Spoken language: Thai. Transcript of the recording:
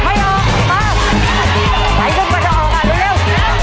ไหนพวกมันจะออกอะเร็ว